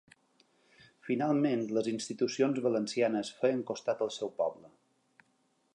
Finalment les institucions valencianes feien costat al seu poble.